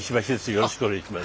よろしくお願いします。